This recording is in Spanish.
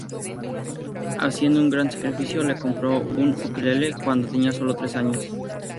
Haciendo un gran sacrificio, le compró un ukelele cuando tenía sólo tres años.